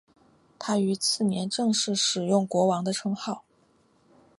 他于次年正式使用国王的称号。